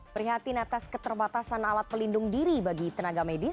prihatin atas keterbatasan alat pelindung diri bagi tenaga medis